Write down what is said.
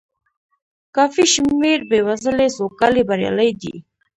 کافي شمېر بې وزلۍ سوکالۍ بریالۍ دي.